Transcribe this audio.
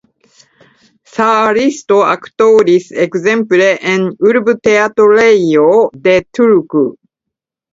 Saaristo aktoris ekzemple en Urbteatrejo de Turku.